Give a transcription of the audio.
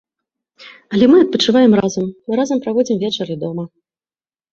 Але мы адпачываем разам, мы разам праводзім вечары дома.